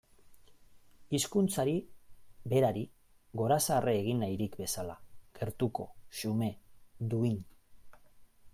Hizkuntzari berari gorazarre egin nahirik bezala, gertuko, xume, duin.